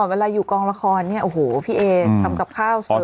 เวลาอยู่กองละครเนี่ยโอ้โหพี่เอทำกับข้าวสวย